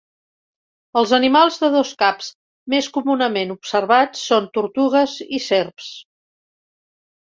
Els animals de dos caps més comunament observats són tortugues i serps.